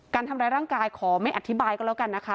การทำร้ายร่างกายขอไม่อธิบายก็แล้วกันนะคะ